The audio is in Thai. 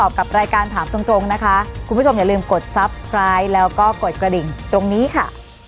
วันนี้สวัสดีค่ะ